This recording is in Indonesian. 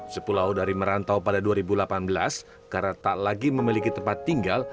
sepulau dari merantau pada dua ribu delapan belas karena tak lagi memiliki tempat tinggal